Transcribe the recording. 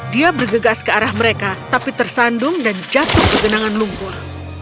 dia bergegas ke arah mereka tapi tersandung dan jatuh ke genangan lumpur